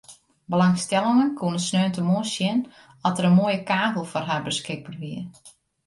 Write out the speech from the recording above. Belangstellenden koene sneontemoarn sjen oft der in moaie kavel foar har beskikber wie.